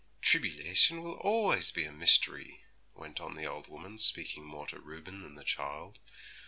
'Tribbylation will allays be a mystery,' went on the old woman, speaking more to Reuben than the child.